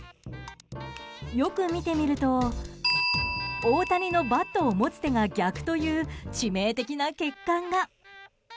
よく見てみると大谷のバットを持つ手が逆という致命的な欠陥が。